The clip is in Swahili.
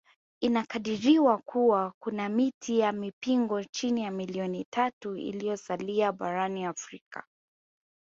Inakadiriwa kuwa kuna miti ya mpingo chini ya milioni tatu iliyosalia barani Afrika